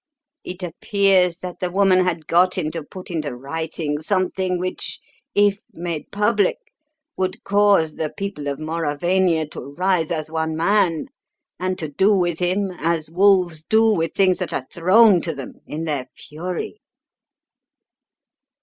It appears that the woman had got him to put into writing something which, if made public, would cause the people of Mauravania to rise as one man and to do with him as wolves do with things that are thrown to them in their fury."